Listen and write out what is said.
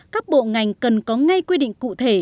các bộ ngành cần có ngay quy định cụ thể